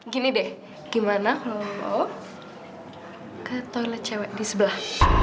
gini deh gimana mau ke toilet cewek di sebelah